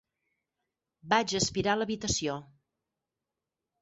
Vaig aspirar l'habitació.